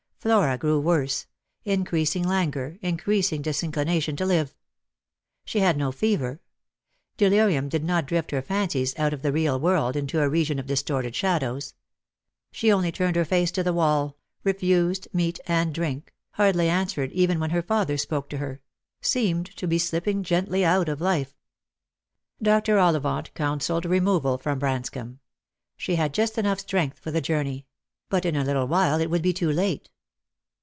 Flora grew worse ; increasing languor, increasing disinclination to live. She had no fever. Delirium did not drift her fancies out of the real world into a region of distorted shadows. She only turned her face to the wall, refused meat and drink, hardly answered even when her father spoke to her — seemed to be slipping gently out of life. Dr. Ollivant counselled removal from Branscomb ; she had just enough strength for the journey ; but in a little while it would be too late.